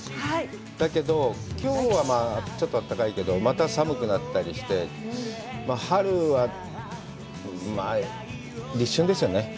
だけど、きょうはちょっと暖かいけど、また寒くなったりして、春は一瞬ですよね。